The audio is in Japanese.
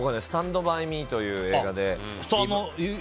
「スタンド・バイ・ミー」という映画で。